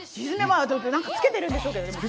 なんかつけてるんでしょうけどね。